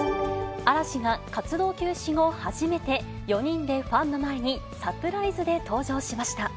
嵐が活動休止後、初めて、４人でファンの前にサプライズで登場しました。